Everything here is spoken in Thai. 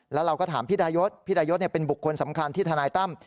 แล้วเราก็ถามพี่ดายศพี่ดายศเป็นบุคคลสำคัญที่ทนายตั้ม